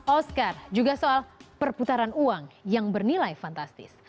oscar juga soal perputaran uang yang bernilai fantastis